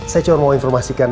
saya cuma mau informasikan